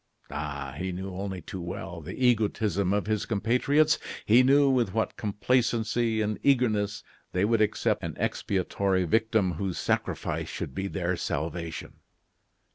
Ah! he knew only too well the egotism of his compatriots. He knew with what complacency and eagerness they would accept an expiatory victim whose sacrifice should be their salvation.